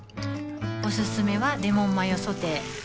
おすすめはレモンマヨソテー